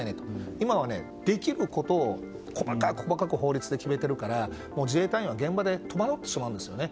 今は、できることを細かく法律で決めているから自衛隊員は現場で戸惑ってしまうんですね。